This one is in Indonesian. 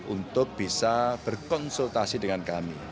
untuk bisa berkonsultasi dengan kami